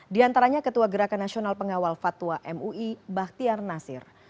di antaranya ketua gerakan nasional pengawal fatwa mui bahtiar nasir